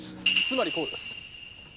つまりこうです。